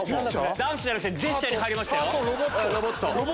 ダンスじゃなくてジェスチャー入りましたよ。